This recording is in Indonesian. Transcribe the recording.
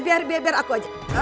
biar biar aku aja